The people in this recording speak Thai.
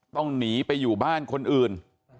ต้องหนีไปอยู่บ้านคนอื่น